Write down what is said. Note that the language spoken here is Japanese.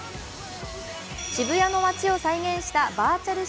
渋谷の街を再現したバーチャル